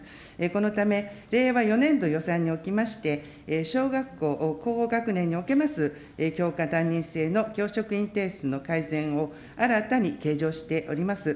このため、令和４年度予算におきまして、小学校高学年におけます教科担任制の教職員定数の改善を新たに計上しております。